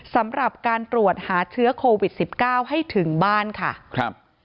สำหรับการตรวจหาเชื้อโควิด๑๙ให้ถึงบ้านค่ะ